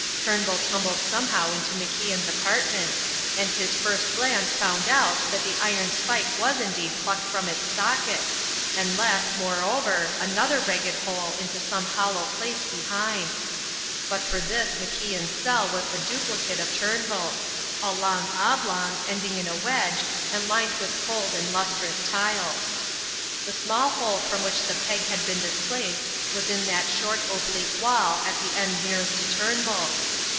Turnbull tumbled somehow into MacIan's apartment, and his first glance found out that the iron spike was indeed plucked from its socket, and left, moreover, another ragged hole into some hollow place behind. But for this MacIan's cell was the duplicate of Turnbull's a long oblong ending in a wedge and lined with cold and lustrous tiles. The small hole from which the peg had been displaced was in that short oblique wall at the end nearest to Turnbull's.